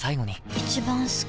一番好き